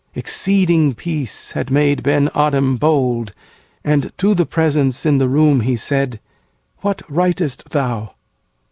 Exceeding peace had made Ben Adhem bold, And to the presence in the room he said,'What writest thou?